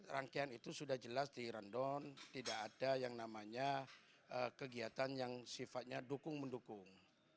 rangkaian itu sudah jelas di rundown tidak ada yang namanya kegiatan yang sifatnya dukung mendukung